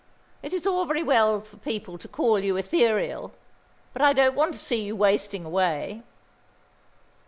It is all very well for people to call you ethereal, but I don't want to see you wasting away."